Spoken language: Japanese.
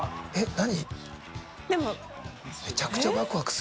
何？